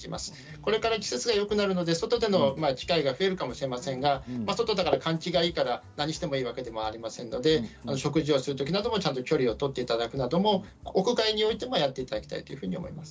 これから季節がよくなるので外での機会が増えるかもしれませんが外だから換気がいいから何をしてもいいっていうわけではありませんので食事をするときなどはちゃんと距離を取っていただくことは屋外でもやっていただきたいと思います。